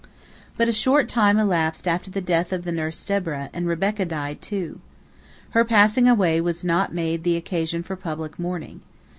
But a short time elapsed after the death of the nurse Deborah, and Rebekah died, too. Her passing away was not made the occasion for public mourning.